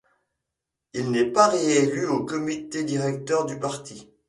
Il n'est pas réélu au Comité directeur du parti.